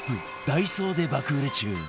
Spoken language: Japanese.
ダイソーで爆売れ中